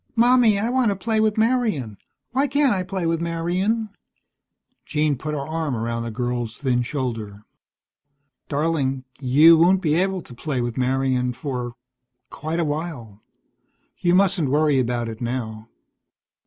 "Mommy, I want to play with Marian. Why can't I play with Marian?" Jean put her arm around the girl's thin shoulder. "Darling, you won't be able to play with Marian for quite a while. You mustn't worry about it now."